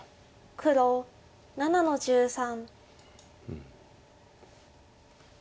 黒７の十三。